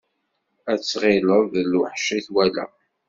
Ad tɣileḍ d lweḥc i twala.